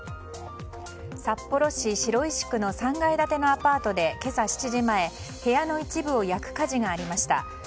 札幌市白石区の３階建てのアパートで今朝７時前、部屋の一部を焼く火事がありました。